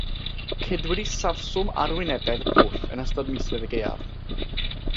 Cedwir isafswm arwynebedd pwll yn ystod misoedd y gaeaf.